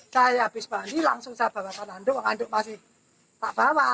saya habis bali langsung saya bawa ke nanduk nganduk masih tak bawa